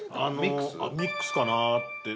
富澤：ミックスかなって。